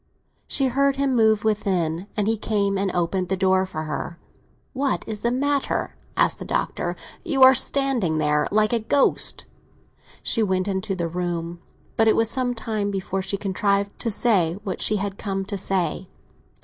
She heard him move within, and he came and opened the door for her. "What is the matter?" asked the Doctor. "You are standing there like a ghost." She went into the room, but it was some time before she contrived to say what she had come to say.